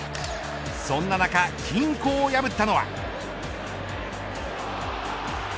そんな中、均衡を破ったのは。